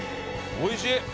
おいしい！